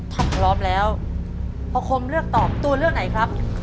ถ้าพร้อมแล้วพ่อคมเลือกตอบตัวเลือกไหนครับ